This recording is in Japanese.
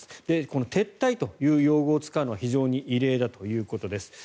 この撤退という用語を使うのは非常に異例だということです。